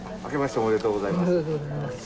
おめでとうございます。